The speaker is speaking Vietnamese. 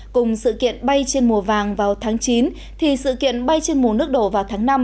cùng sự kiện bay trên mùa vàng vào tháng chín thì sự kiện bay trên mùa nước đổ vào tháng năm